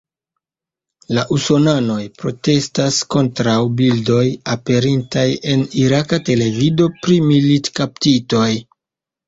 La usonanoj protestas kontraŭ bildoj aperintaj en iraka televido pri militkaptitoj.